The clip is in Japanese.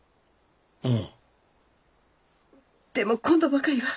でも今度ばかりは。